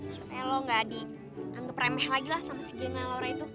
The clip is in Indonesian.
supaya lo gak dianggap remeh lagi lah sama si gangel laura itu